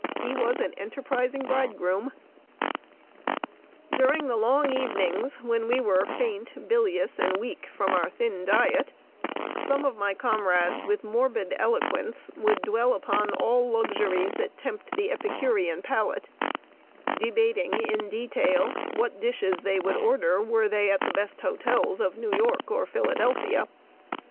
He was an enterprising bridegroom. During the long evenings, when we were faint, bilious, and weak from our thin diet, some of my comrades, with morbid eloquence, would dwell upon all luxuries that tempt the epicurean palate, debating, in detail, what dishes they would order, were they at the best hotels of New York or Philadelphia.